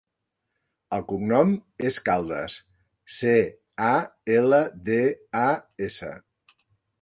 El cognom és Caldas: ce, a, ela, de, a, essa.